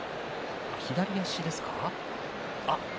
左足ですか。